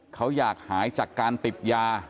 เขาอยากหายจากการติดยา